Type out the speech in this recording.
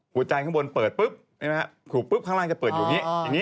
ข้างบนเปิดปุ๊บข้างล่างจะเปิดอยู่อย่างนี้